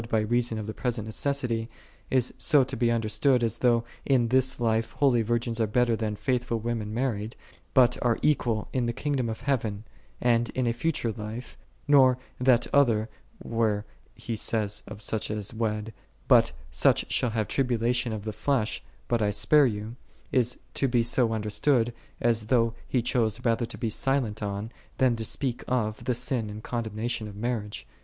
by reason of the present necessity," ' is so to j be understood, as though in this life holy virgins are better than faithful women mar ried, but are equal in the kingdom of heaven, and in a future life: nor that other, where he saith of such as wed, " But such shall have tribulation of the flesh, but I spare you;"2 is to be so understood, as though he chose rather to be silent on, than to speak of, the j sin and condemnation of marriage.